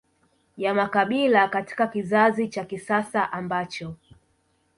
ya makabila katika kizazi cha kisasa ambacho